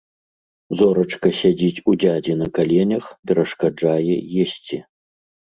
Зорачка сядзіць у дзядзі на каленях, перашкаджае есці.